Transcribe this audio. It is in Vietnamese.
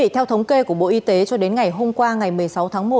theo thống kê của bộ y tế cho đến ngày hôm qua ngày một mươi sáu tháng một